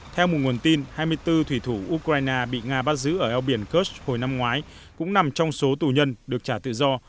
theo một nguồn tin hai mươi bốn thủy thủ ukraine bị nga bắt giữ ở eo biển kursk hồi năm ngoái cũng nằm trong số tù nhân được trả tự do